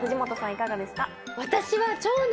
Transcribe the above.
いかがですか？